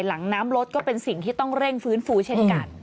หลังน้ำรถก็เป็นสิ่งที่ต้องเร่งฟื้นฟูเช่นกัน